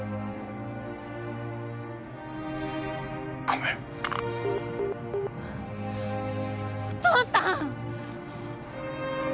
☎ごめんお父さん！